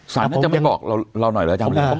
สามารถจะมาบอกเราหน่อยแหละครับ